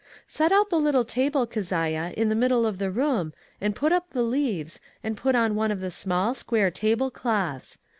"Set out the little table, Keziah, in the middle of the room, and put up the leaves, and put on one of the small, square table cloths.